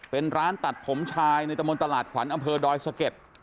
เป็นร้านตัดผมชายในตะมนตลาดขวัญอำเภอดอยสะเก็ด